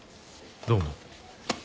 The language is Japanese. どうも。